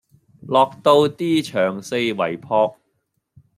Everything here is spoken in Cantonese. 落到 D 場四圍撲